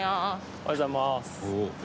おはようございます。